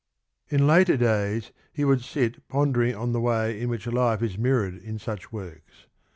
18 In later days he would sit pondering on the way in which life is mirrored in such works.